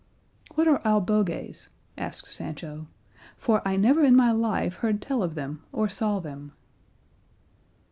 "What are albogues?" asked Sancho, "for I never in my life heard tell of them or saw them."